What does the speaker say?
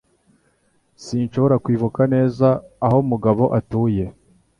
Sinshobora kwibuka neza aho Mugabo atuye